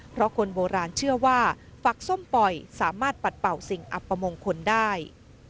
เพราะคนโบราณเชื่อว่าฝักส้มปล่อยสามารถปัดเป่าสิ่งอัปมงคลได้